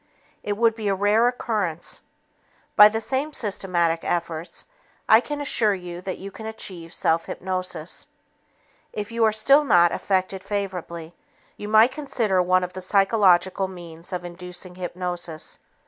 It would be a rare occurrence. By the same systematic efforts, I can assure you that you can achieve self hypnosis. If you are still not affected favorably, you might consider one of the psychological means of inducing hypnosis.